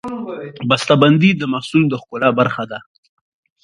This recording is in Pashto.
بستهبندي د محصول د ښکلا برخه ده.